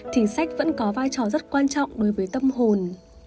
chính sách vẫn có vai trò rất quan trọng đối với tâm hồn